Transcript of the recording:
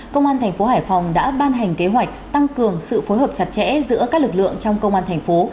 công an thành phố hải phòng đã ban hành kế hoạch tăng cường sự phối hợp chặt chẽ giữa các lực lượng trong công an thành phố